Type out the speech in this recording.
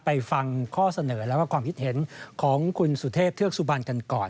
ไปฟังข้อเสนอแล้วก็ความคิดเห็นของคุณสุเทพเทือกสุบันกันก่อน